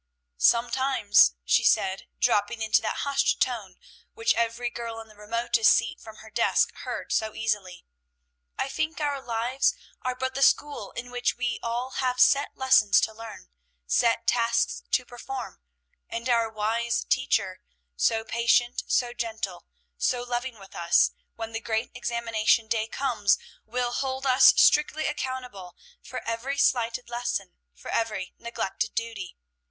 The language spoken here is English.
"Sometimes," she said, dropping into that hushed tone which every girl in the remotest seat from her desk heard so easily, "I think our lives are but the school in which we all have set lessons to learn, set tasks to perform; and our wise Teacher, so patient, so gentle, so loving with us, when the great examination day comes, will hold us strictly accountable for every slighted lesson, for every neglected duty.